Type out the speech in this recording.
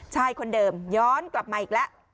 ชายคนเดิมย้อนกลับมาอีกแล้ว